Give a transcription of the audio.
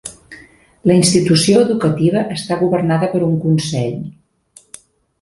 La institució educativa està governada per un Consell.